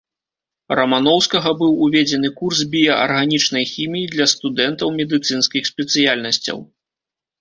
Раманоўскага быў уведзены курс біяарганічнай хіміі для студэнтаў медыцынскіх спецыяльнасцяў.